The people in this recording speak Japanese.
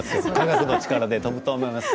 科学の力できっと飛ぶと思います。